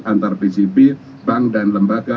antara pcp bank dan lembaga